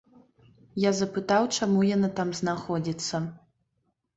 Я запытаў, чаму яна там знаходзіцца.